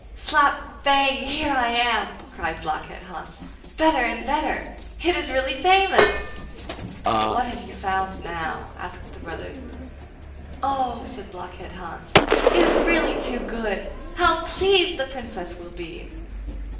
'Slap! bang! here I am!' cried Blockhead Hans; 'better and better it is really famous!' 'What have you found now?' asked the brothers. 'Oh,' said Blockhead Hans, 'it is really too good! How pleased the Princess will be!